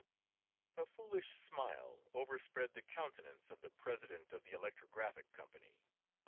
A foolish smile overspread the countenance of the president of the Electrographic Company.